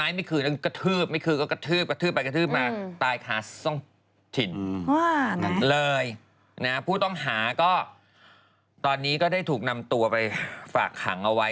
ผู้ต้องหาก็ตอนนี้ก็ได้ถูกนำตัวไปฝากขังเอาไว้